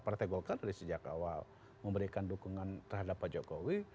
partai golkar dari sejak awal memberikan dukungan terhadap pak jokowi